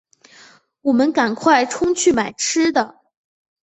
我们赶快冲去买吃的